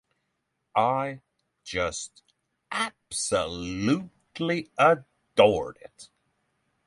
I just absolutely adored it.